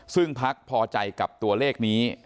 ซึ่งพักพอใจกับตัวเลขนี้